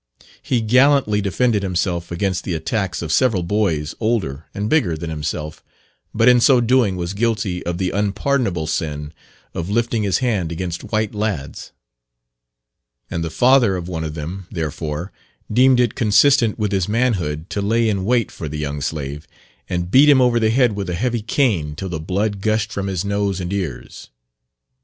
He gallantly defended himself against the attacks of several boys older and bigger than himself, but in so doing was guilty of the unpardonable sin of lifting his hand against white lads; and the father of one of them, therefore, deemed it consistent with his manhood to lay in wait for the young slave, and beat him over the head with a heavy cane till the blood gushed from his nose and ears.